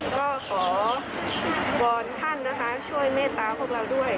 ก็ขอวอนท่านนะคะช่วยเมตตาพวกเราด้วย